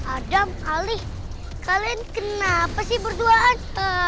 adam ali kalian kenapa sih berduaan